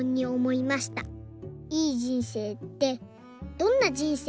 いい人生ってどんな人生ですか？」。